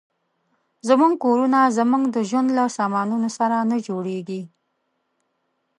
زموږ کورونه زموږ د ژوند له سامانونو سره نه جوړېږي.